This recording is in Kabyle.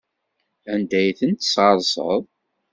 Anda ay ten-tesɣerseḍ?